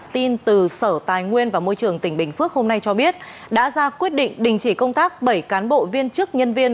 tin từ sở tài nguyên và môi trường tỉnh bình phước hôm nay cho biết đã ra quyết định đình chỉ công tác bảy cán bộ viên chức nhân viên